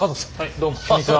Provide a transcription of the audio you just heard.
どうもこんにちは。